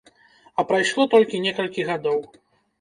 А прайшло толькі некалькі гадоў.